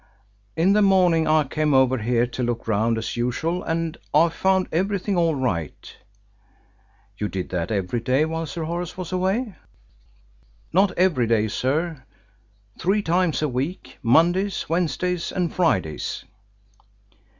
"In the morning I came over here to look round as usual, and I found everything all right." "You did that every day while Sir Horace was away?" "Not every day, sir. Three times a week: Mondays, Wednesdays, and Fridays."